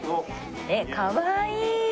えっかわいい。